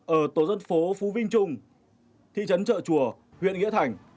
ở tổ dân phố phú vinh trung thị trấn trợ chùa huyện nghĩa thành